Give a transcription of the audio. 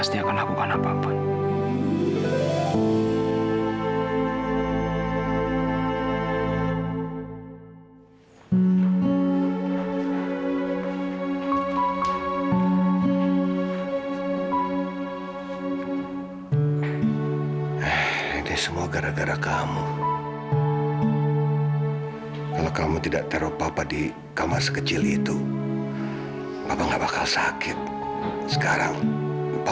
sampai jumpa di video selanjutnya